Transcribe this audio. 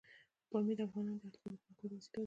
پامیر د افغانانو د اړتیاوو د پوره کولو وسیله ده.